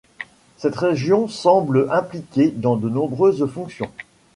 Cette région semble impliquée dans de nombreuses fonctions.